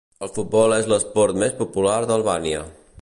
El futbol és l'esport més popular d'Albània.